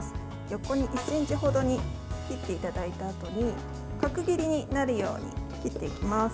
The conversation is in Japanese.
横に１ｃｍほどに切っていただいたあとに角切りになるように切っていきます。